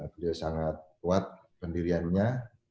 dia sangat kuat pendiriannya